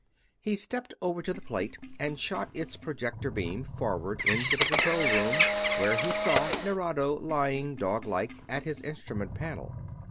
He stepped over to the plate and shot its projector beam forward into the control room, where he saw Nerado lying, doglike, at his instrument panel.